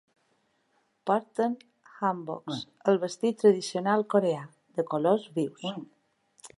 Porten hanboks, el vestit tradicional coreà, de colors vius.